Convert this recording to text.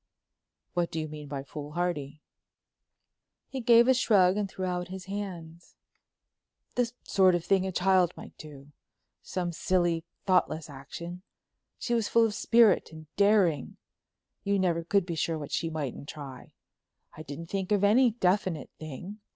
"What do you mean by foolhardy?" He gave a shrug and threw out his hands. "The sort of thing a child might do—some silly, thoughtless action. She was full of spirit and daring; you never could be sure of what she mightn't try. I didn't think of any definite thing.